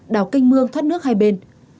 đào canh mương thoát nước hai bên